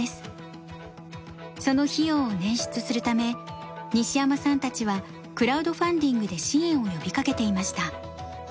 その費用を捻出するため西山さんたちはクラウドファンディングで支援を呼びかけていました。